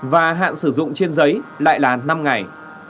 và hạn sử dụng trên giấy lại là năm ngày